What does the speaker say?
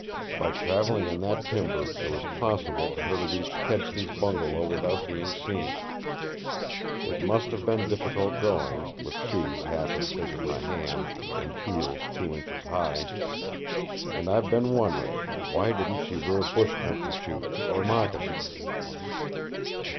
By traveling in that timber it was possible for her to reach Kedsty's bungalow without being seen. It must have been difficult going, with shoes half as big as my hand and heels two inches high! And I've been wondering, why didn't she wear bush country shoes or moccasins?"